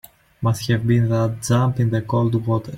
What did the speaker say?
Must have been that jump in the cold water.